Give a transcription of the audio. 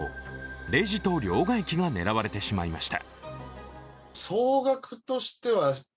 レジと両替機が狙われてしまいました。